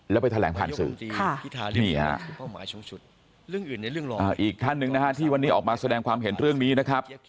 แล้วไปแถลงผ่านสื่อนี่ฮะอีกท่านหนึ่งนะฮะที่วันนี้ออกมาแสดงความเห็นเรื่องนี้นะครับ